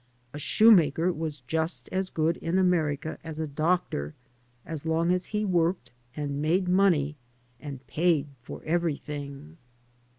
A shoemaker was just as good in America as a doctor, as long as he worked and made money and paid for everything.